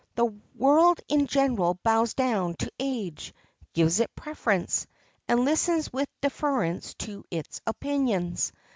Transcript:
The world in general bows down to age, gives it preference, and listens with deference to its opinions.